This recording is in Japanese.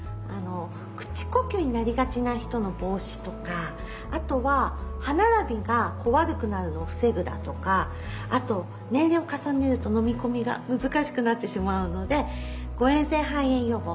口呼吸になりがちな人の防止とかあとは歯並びが悪くなるのを防ぐだとかあと年齢を重ねると飲み込みが難しくなってしまうので誤えん性肺炎予防。